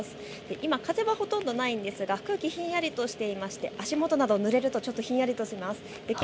今、風はほとんどないんですが空気ひんやりとしていまして足元などぬれるとちょっとひんやりとします。